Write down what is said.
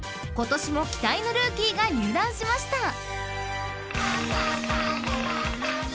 今年も期待のルーキーが入団しました］